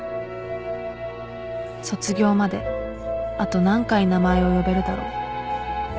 卒業まであと何回名前を呼べるだろう